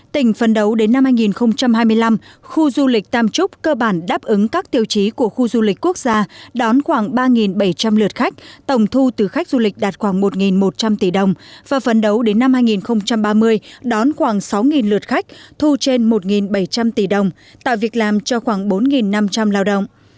tỉnh phấn đấu đến năm hai nghìn hai mươi năm khu du lịch tam trúc cơ bản đáp ứng các tiêu chí của khu du lịch quốc gia đón khoảng ba bảy trăm linh lượt khách tổng thu từ khách du lịch đạt khoảng một một trăm linh tỷ đồng và phấn đấu đến năm hai nghìn ba mươi đón khoảng sáu lượt khách thu trên một bảy trăm linh tỷ đồng tạo việc làm cho khoảng bốn năm trăm linh lao động